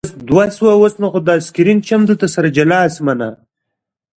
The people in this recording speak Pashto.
طبیعي خواړه تر بازاري خوراکونو ډېر ګټور او خوندور دي.